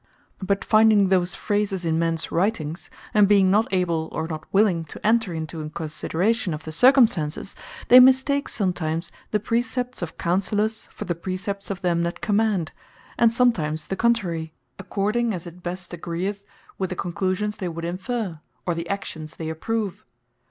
But finding those phrases in mens writings, and being not able, or not willing to enter into a consideration of the circumstances, they mistake sometimes the Precepts of Counsellours, for the Precepts of them that command; and sometimes the contrary; according as it best agreeth with the conclusions they would inferre, or the actions they approve.